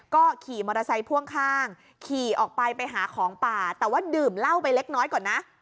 ก็ขี่มอเตอร์ไซค์พ่วงข้างขี่ออกไปไปหาของป่าแต่ว่าดื่มเหล้าไปเล็กน้อยก่อนนะ